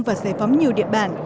và giải phóng nhiều địa bản